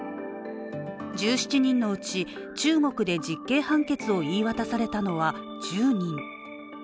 １７人のうち中国で実刑判決を言い渡されたのは１０人。